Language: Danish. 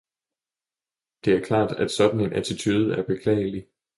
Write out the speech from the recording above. Det er klart, at en sådan attitude er beklagelig.